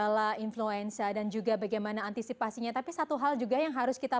adalah influenza dan juga bagaimana antisipasinya tapi satu hal juga yang harus kita